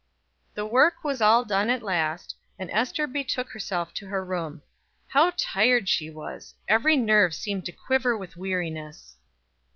The work was all done at last, and Ester betook herself to her room. How tired she was! Every nerve seemed to quiver with weariness.